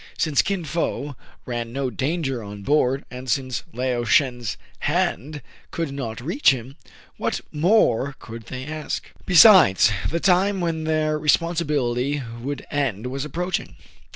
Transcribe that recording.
Since Kin Fo ran no danger on board, and since Lao Shen*s hand could not reach him, what more could they ask } Besides, the time when their responsibility would end was approaching.